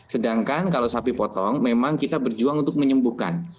sedangkan kalau sapi potong memang kita berjuang untuk menyembuhkan